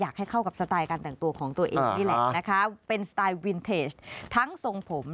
คือพี่เจ้าของที่เขามีสไตล์ของเขา